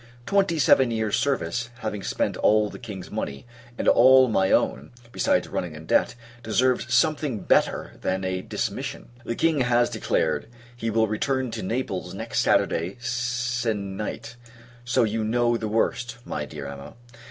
Twenty seven years service having spent all the King's money, and all my own, besides running in debt, deserves something better than a dismission! The King has declared, he will return to Naples next Saturday se'n night; so you know the worst, my dear Emma.